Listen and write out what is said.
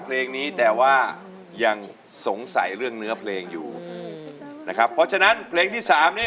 เพลงนี้แต่ว่ายังสงสัยเรื่องเนื้อเพลงอยู่นะครับเพราะฉะนั้นเพลงที่สามนี้